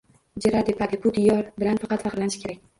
Jerar Deparde: Bu diyor bilan faqat faxrlanish kerak!